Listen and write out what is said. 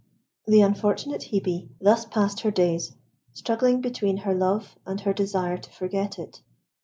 The unfortunate Hebe thus passed her days, struggling between her love and her desire to forget it.